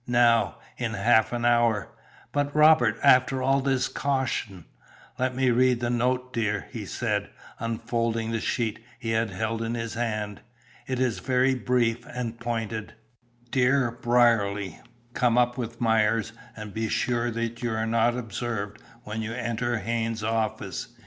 "Now. In half an hour." "But Robert, after all his caution!" "Let me read the note, dear," he said, unfolding the sheet he had held in his hand. "It is very brief and pointed: "'DEAR BRIERLY, Come up with Myers, and be sure that you are not observed when you enter Haynes' office.